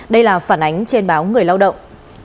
đây là phản ánh trên báo người lao động